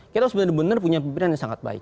kita sebenarnya punya pimpinannya yang sangat baik